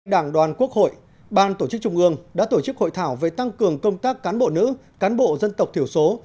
đảng đoàn quốc hội ban tổ chức trung ương đã tổ chức hội thảo về tăng cường công tác cán bộ nữ cán bộ dân tộc thiểu số